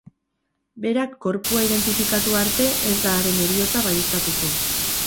Berak gorpua identifikatu arte, ez da haren heriotza baieztatuko.